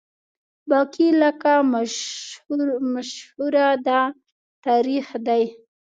باقي لکه مشهوره ده تاریخ دی